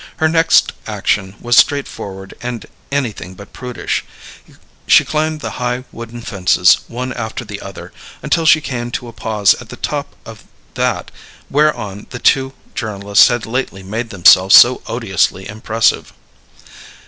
Her next action was straightforward and anything but prudish; she climbed the high wooden fences, one after the other, until she came to a pause at the top of that whereon the two journalists had lately made themselves so odiously impressive.